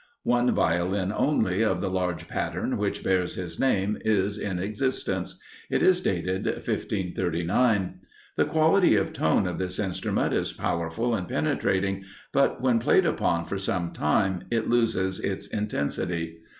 One Violin only of the large pattern which bears his name is in existence; it is dated 1539. The quality of tone of this instrument is powerful and penetrating, but when played upon for some time, it loses its intensity.